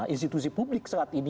institusi publik saat ini